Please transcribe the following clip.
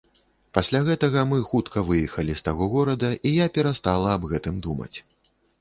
Пасля гэтага, мы хутка выехалі з таго горада, і я перастала аб гэтым думаць.